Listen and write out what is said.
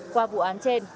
qua vụ án trên